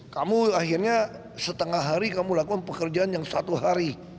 kamu akhirnya setengah hari kamu lakukan pekerjaan yang satu hari